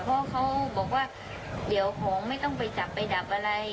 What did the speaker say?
เพราะเขาบอกว่าเดี๋ยวของไม่ต้องไปจับไปดับอะไร